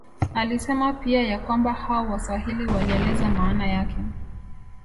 Alisema pia ya kwamba hao Waswahili walieleza maana yake